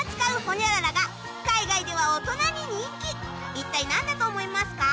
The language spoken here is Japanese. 一体何だと思いますか？